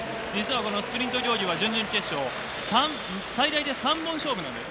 スプリント競技は準々決勝、最大で３本勝負です。